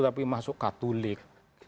tapi masuk katolik